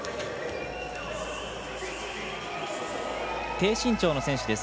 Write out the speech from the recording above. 低身長の選手です。